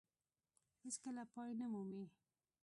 هېڅ کله پای نه مومي.